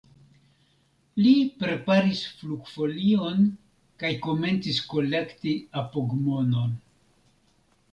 Li preparis flugfolion kaj komencis kolekti apogmonon.